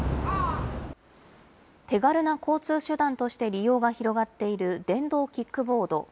手軽な交通手段として利用が広がっている電動キックボード。